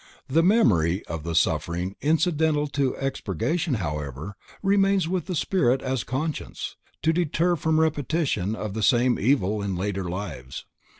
The memory of the suffering incidental to expurgation however, remains with the spirit as conscience, to deter from repetition of the same evil in later lives.